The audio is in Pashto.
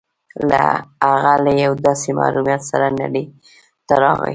هغه له يوه داسې محروميت سره نړۍ ته راغی.